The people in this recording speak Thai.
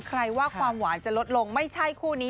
ว่าความหวานจะลดลงไม่ใช่คู่นี้